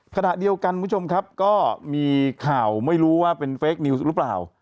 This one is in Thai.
ขณะเดียวกันคุณผู้ชมครับก็มีข่าวไม่รู้ว่าเป็นเฟคนิวส์หรือเปล่า